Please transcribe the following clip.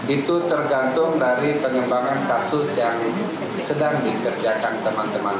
itu tergantung dari pengembangan kasus yang sedang dikerjakan teman teman